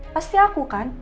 pasti aku kan